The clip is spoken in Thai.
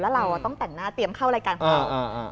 แล้วเราต้องแต่งหน้าเตรียมเข้ารายการของเรา